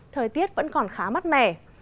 thời tiết vẫn còn khá mát mẻ